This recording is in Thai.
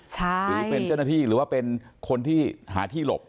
หรือเป็นเจ้าหน้าที่หรือว่าเป็นคนที่หาที่หลบ